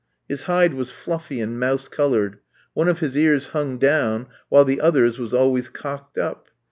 His hide was fluffy and mouse coloured; one of his ears hung down, while the other was always cocked up.